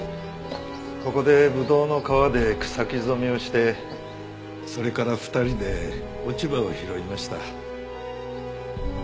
ここでブドウの皮で草木染めをしてそれから２人で落ち葉を拾いました。